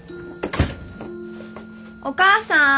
お母さん？